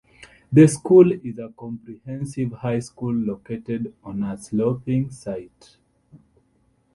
The school is a comprehensive high school located on a sloping site.